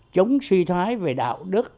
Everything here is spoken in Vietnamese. chống suy thoái về đạo đức